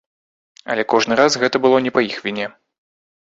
Але кожны раз гэта было не па іх віне.